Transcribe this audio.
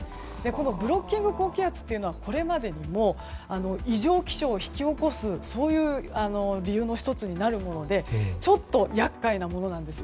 このブロッキング高気圧というのは、これまでにも異常気象を引き起こす理由の１つになるものでちょっと厄介なものなんです。